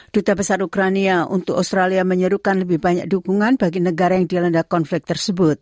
duta besar ukrania untuk australia menyerukan lebih banyak dukungan bagi negara yang dilanda konflik tersebut